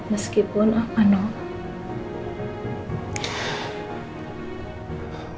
meskipun apa noh